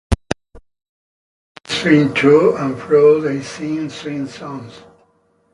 As they swing to and fro, they sing swing songs.